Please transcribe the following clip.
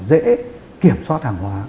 dễ kiểm soát hàng hóa